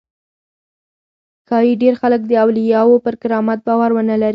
ښایي ډېر خلک د اولیاوو پر کرامت باور ونه لري.